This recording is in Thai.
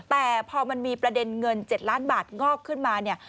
แต่พอมันมีประเด็นเงิน๗ล้านบาทงอกขึ้นมาเนี่ย